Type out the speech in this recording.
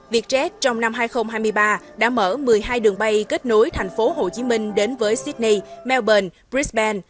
vietjet trong năm hai nghìn hai mươi ba đã mở một mươi hai đường bay kết nối tp hcm đến với sydney melbourne brisbank